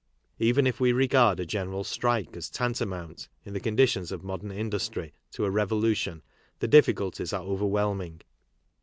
Even if we regard a general strike as tantamount, in the conditions of modern industry, to a revolution the difficulties are overwhelming.